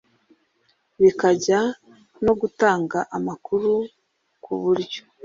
bikajyana no gutanga amakuru ku buryo